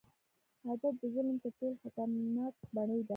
عادت د ظلم تر ټولو خطرناک بڼې ده.